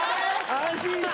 安心した！